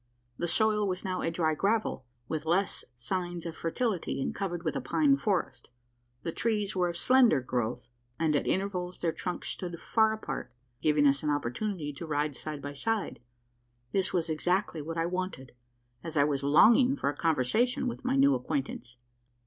The soil was now a dry gravel, with less signs of fertility, and covered with a pine forest. The trees were of slender growth; and at intervals their trunks stood far apart, giving us an opportunity to ride side by side. This was exactly what I wanted: as I was longing for a conversation with my new acquaintance.